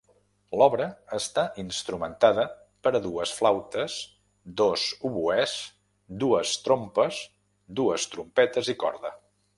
L'obra està instrumentada per a dues flautes, dos oboès, dues trompes, dues trompetes i corda.